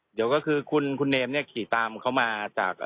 เดี๋ยวก็คือคุณเนมเนี่ยขี่ตามเขามาจาก